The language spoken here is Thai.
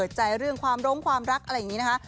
ใจเรื่องความร้งความรักอะไรอย่างนี้นะคะ